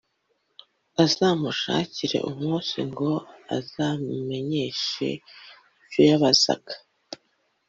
Azamushakire umunsi ngo azamumenyeshe ibyo yabazaga